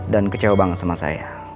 dan kecewa banget sama saya